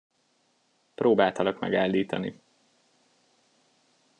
Próbáltalak megállítani.